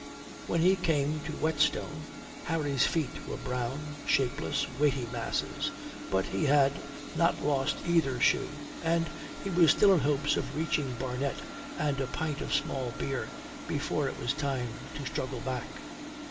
When he came to Whetstone, Harry's feet were brown, shapeless, weighty masses, but he had not lost either shoe, and he was still in hopes of reaching Barnet and a pint of small beer before it was time to struggle back.